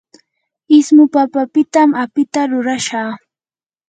ismu papapitam apita rurashaa.